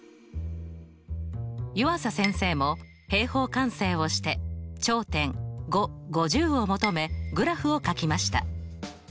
湯浅先生も平方完成をして頂点を求めグラフをかきました。